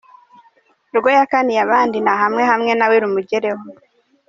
Urwo yakaniye abandi nahame hamwe nawe rumugereho.